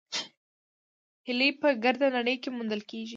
هیلۍ په ګرده نړۍ کې موندل کېږي